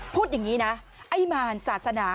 พูดอย่างนี้นะไอ้มารศาสนา